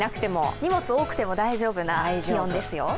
荷物多くても大丈夫な気温ですよ。